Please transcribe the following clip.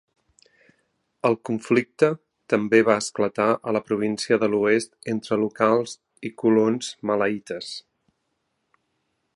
El conflicte també va esclatar a la província de l'oest entre locals i colons malaítes.